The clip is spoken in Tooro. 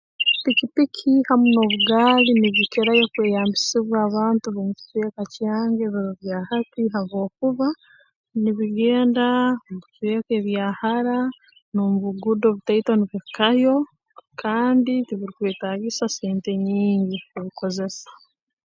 Pikipiki hamu n'obugaali nibyo bikirayo kweyambisibwa abantu b'omu kicweka kyange biro bya hati habwokuba nibigendaa mu bicweka ebya hara n'obuguudo obutaito nibihikayo kandi tibirikwetaagisa sente nyingi kubikozesa